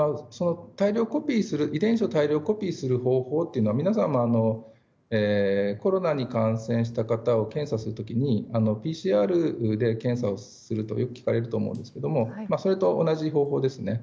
遺伝子を大量コピーする方法というのは皆さんもコロナに感染した方を検査するときにＰＣＲで検査をするとよく聞かれると思うんですがそれと同じ方法ですね。